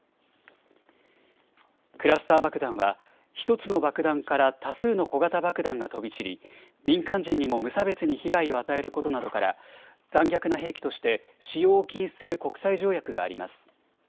クラスター爆弾は１つの爆弾から多数の小型爆弾が飛び散り民間人にも無差別に被害を与えることなどから残虐な兵器として使用を禁止する国際条約があります。